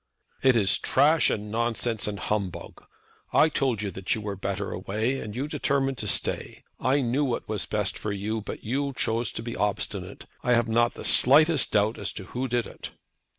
"It is trash and nonsense, and humbug. I told you that you were better away, and you determined to stay. I knew what was best for you, but you chose to be obstinate. I have not the slightest doubt as to who did it."